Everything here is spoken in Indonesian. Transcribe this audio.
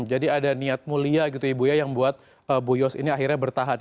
jadi ada niat mulia gitu ibu ya yang buat bu yos ini akhirnya bertahan